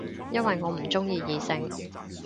因為我唔鍾意異性